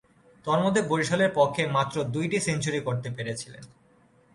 তন্মধ্যে, বরিশালের পক্ষে মাত্র দুইটি সেঞ্চুরি করতে পেরেছিলেন।